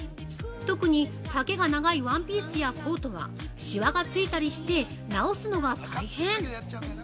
特に丈が長いワンピースやコートはしわが付いたりして直すのが大変！